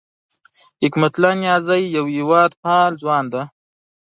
حکمت الله نیازی یو هېواد پال ځوان دی